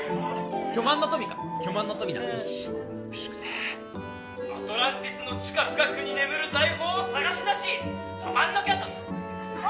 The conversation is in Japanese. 巨万の富か巨万の富なよしよしいくぜアトランティスの地下深くに眠る財宝を探しだしとまんのきょあ！